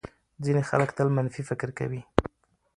ځینې خلک تل منفي فکر کوي.